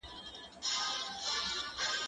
زه به سبزېجات خوړلي وي!؟